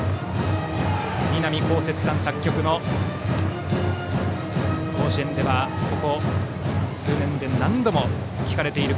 南こうせつさん作曲の甲子園では、ここ数年で何度も聴かれている